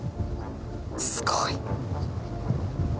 すごい。